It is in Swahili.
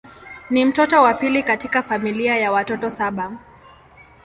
Ni mtoto wa pili katika familia ya watoto saba.